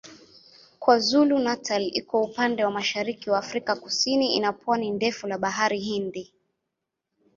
KwaZulu-Natal iko upande wa mashariki wa Afrika Kusini ina pwani ndefu la Bahari Hindi.